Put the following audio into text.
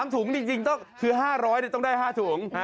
ถุงจริงก็คือ๕๐๐ต้องได้๕ถุง